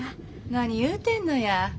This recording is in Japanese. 何言うてんのや。